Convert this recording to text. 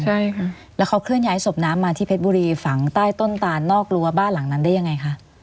ใช่ค่ะแล้วเขาเคลื่อนย้ายศพน้ำมาที่เพชรบุรีฝังใต้ต้นตานนอกรั้วบ้านหลังนั้นได้ยังไงคะ